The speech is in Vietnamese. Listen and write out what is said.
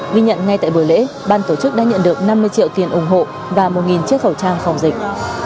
ghi nhận ngay tại buổi lễ ban tổ chức đã nhận được năm mươi triệu tiền ủng hộ và một chiếc khẩu trang phòng dịch